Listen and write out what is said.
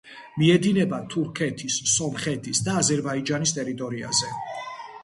მიედინება თურქეთის, სომხეთის და აზერბაიჯანის ტერიტორიაზე.